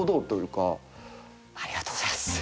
ありがとうございます。